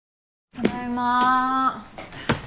ただいま。